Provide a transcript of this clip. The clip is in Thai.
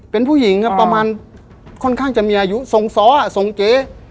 เป็นผู้หญิงประมาณค่อนข้างจะมีอายุส่งซ้อส่งเก๋